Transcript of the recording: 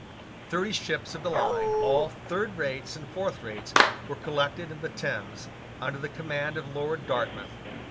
Thirty ships of the line, all third rates and fourth rates, were collected in the Thames, under the command of Lord Dartmouth.